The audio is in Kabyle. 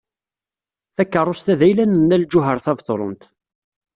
Takeṛṛust-a d ayla n Nna Lǧuheṛ Tabetṛunt.